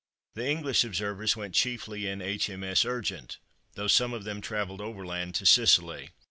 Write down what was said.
The English observers went chiefly in H.M.S. Urgent, though some of them travelled overland to Sicily.